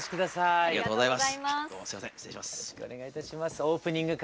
ありがとうございます。